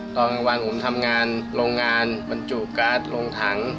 ตอนกลางวันผมทำงานโรงงานบรรจุการ์ดลงถัง